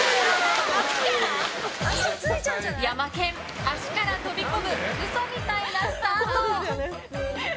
ヤマケン、足から飛び込む嘘みたいなスタート。